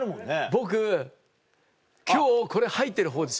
僕今日これ入ってるほうですよ。